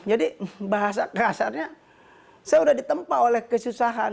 jadi bahasa kasarnya saya sudah ditempa oleh kesusahan